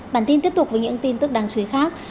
bản tin tiếp tục với những tin tức đáng chú ý khác